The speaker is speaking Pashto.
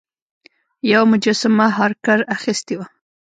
یوه مجسمه هارکر اخیستې وه.